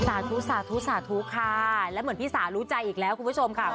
สาธุสาธุสาธุค่ะแล้วเหมือนพี่สารู้ใจอีกแล้วคุณผู้ชมค่ะ